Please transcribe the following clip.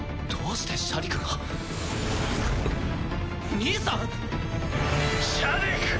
兄さん⁉シャディク！